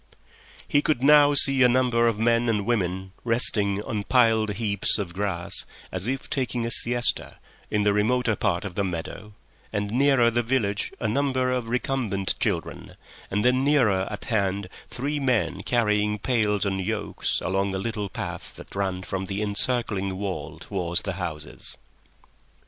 He could now see a number of men and women resting on piled heaps of grass, as if taking a siesta, in the remoter part of the meadow, and nearer the village a number of recumbent children, and then nearer at hand three men carrying pails on yokes along a little path that ran from the encircling wall towards the houses.